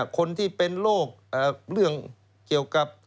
คนที่เป็นโรคเรื่องเกี่ยวกับ